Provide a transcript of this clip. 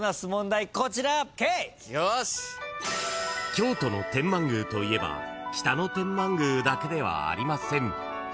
［京都の天満宮といえば北野天満宮だけではありません］